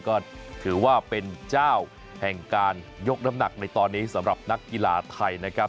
ก็ถือว่าเป็นเจ้าแห่งการยกน้ำหนักในตอนนี้สำหรับนักกีฬาไทยนะครับ